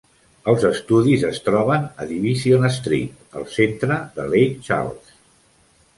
Els estudis es troben a Division Street al centre de Lake Charles.